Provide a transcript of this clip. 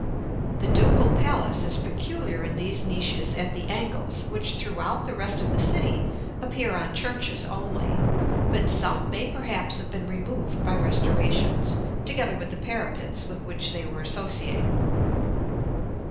The Ducal Palace is peculiar in these niches at the angles, which throughout the rest of the city appear on churches only; but some may perhaps have been removed by restorations, together with the parapets with which they were associated.